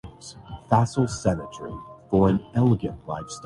ہمارے لوگوں کی اکثریت کو جاہل اور لاشعور رکھا گیا ہے۔